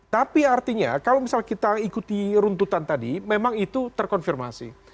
tapi artinya kalau misal kita ikuti runtutan tadi memang itu terkonfirmasi